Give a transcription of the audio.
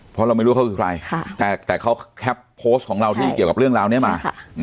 เพราะเราไม่รู้เขาคือใครแต่เขาแคปโพสต์ของเราที่เกี่ยวกับเรื่องราวนี้มา